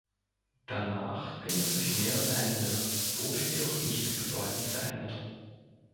Danach ging es durch mehrere Hände, wurde jedoch nicht bedeutend verändert.